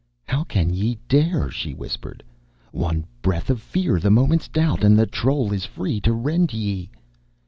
"How can ye dare?" she whispered. "One breath of fear, one moment's doubt, and the troll is free to rend ye."